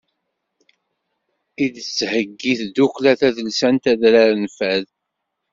I d-tettheyyi tdukkla tadelsant adrar n fad.